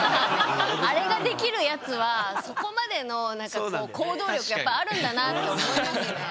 あれができるやつはそこまでの何かこう行動力やっぱあるんだなって思いますね。